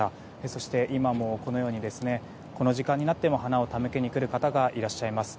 そして今も、このようにこの時間になっても花を手向けに来る方がいらっしゃいます。